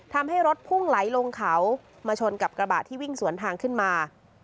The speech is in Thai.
ทำให้รถพุ่งไหลลงเขามาชนกับกระบะที่วิ่งสวนทางขึ้นมา